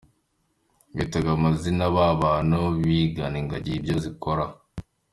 Bitaga amazina ba bantu bigana ingagi ibyo zikora.